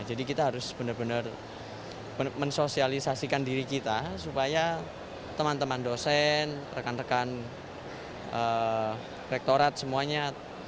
jadi kita harus benar benar mensosialisasikan diri kita supaya teman teman dosen rekan rekan rektorat semuanya